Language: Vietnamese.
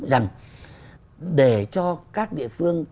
rằng để cho các địa phương